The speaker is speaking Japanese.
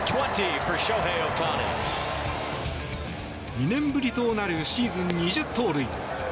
２年ぶりとなるシーズン２０盗塁。